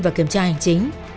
và kiểm tra hành chính